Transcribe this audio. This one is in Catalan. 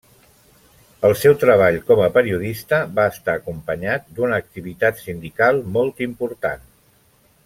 El seu treball com a periodista va estar acompanyat d'una activitat sindical molt important.